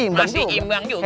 masih imbang juga